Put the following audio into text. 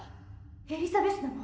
・エリザベスなの？